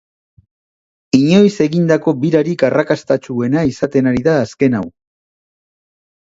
Inoiz egindako birarik arrakastatsuena izaten ari da azken hau.